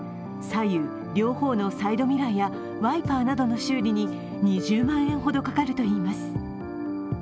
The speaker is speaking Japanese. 左右両方のサイドミラーやワイパーなどの修理に２０万円ほどかかるといいます。